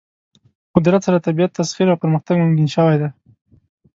په قدرت سره طبیعت تسخیر او پرمختګ ممکن شوی دی.